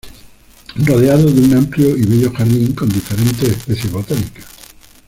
Rodeado de un amplio y bello jardín con diferentes especies botánicas.